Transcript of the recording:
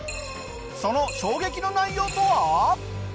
その衝撃の内容とは？